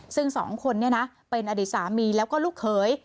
ซึ่งสองคนเป็นอดีตสามีแล้วก็ลูกเขย